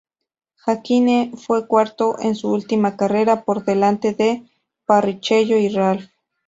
Häkkinen fue cuarto en su última carrera, por delante de Barrichello y Ralf.